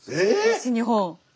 西日本。